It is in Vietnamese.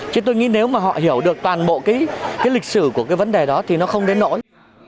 chứ tôi nghĩ nếu mà họ hiểu được toàn bộ cái lịch sử của cái vấn đề đó thì nó không đến nỗi